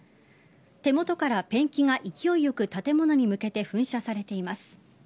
手元からペンキが勢いよく建物に向けて噴射されています。